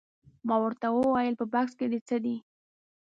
ما ورته وویل په بکس کې دې څه دي؟